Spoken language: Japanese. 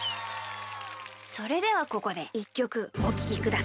それではここで１きょくおききください。